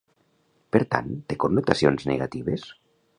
Per tant, té connotacions negatives?